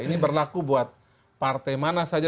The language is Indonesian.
ini berlaku buat partai mana saja